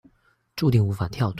註定無法跳脫